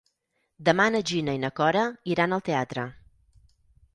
Demà na Gina i na Cora iran al teatre.